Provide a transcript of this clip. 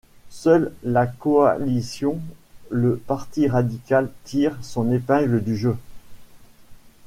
Seul de la coalition, le Parti Radical tire son épingle du jeu.